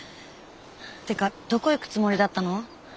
てかどこ行くつもりだったの？